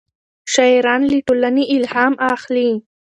شاعران له ټولنې الهام اخلي.